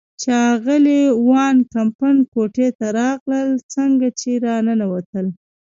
چې اغلې وان کمپن کوټې ته راغلل، څنګه چې را ننوتل.